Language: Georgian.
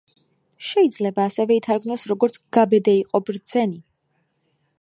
შეიძლება ასევე ითარგმნოს როგორც „გაბედე იყო ბრძენი“.